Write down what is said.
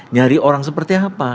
nyari orang seperti apa